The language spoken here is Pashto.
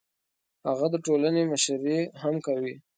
هغه د ټولنې مشري هم کوي.